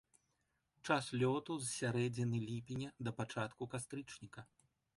Час лёту з сярэдзіны ліпеня да пачатку кастрычніка.